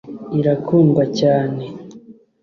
irakundwa cyane